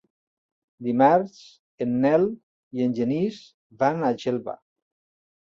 Dimarts en Nel i en Genís van a Xelva.